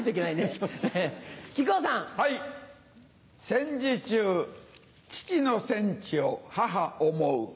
戦時中父の戦地を母思う。